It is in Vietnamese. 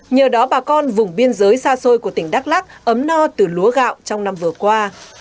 nhờ đó bà con vùng biên giới xa xôi của tỉnh đắk lắc ấm no từ lúa gạo trong năm vừa qua